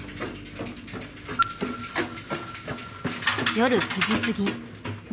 夜９時過ぎ。